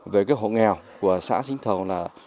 về hộ nghèo của xã sinh thầu